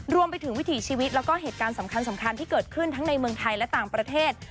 วิถีชีวิตแล้วก็เหตุการณ์สำคัญที่เกิดขึ้นทั้งในเมืองไทยและต่างประเทศ